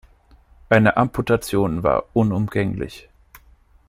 Eine Amputation war unumgänglich.